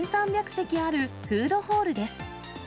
席あるフードホールです。